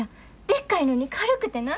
でっかいのに軽くてな。